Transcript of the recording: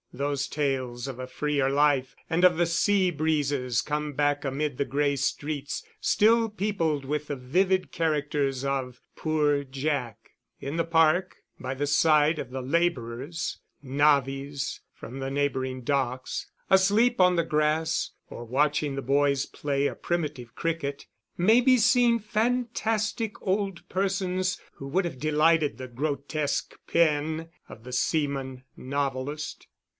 Those tales of a freer life and of the sea breezes come back amid the gray streets, still peopled with the vivid characters of Poor Jack. In the park, by the side of the labourers, navvies from the neighboring docks, asleep on the grass, or watching the boys play a primitive cricket, may be seen fantastic old persons who would have delighted the grotesque pen of the seaman novelist.